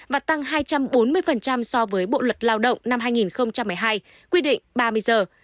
và tăng hai trăm bốn mươi so với bộ luật lao động năm hai nghìn một mươi hai quy định ba mươi giờ